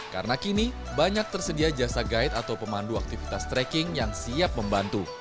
karena kini banyak tersedia jasa guide atau pemandu aktivitas trekking yang siap membantu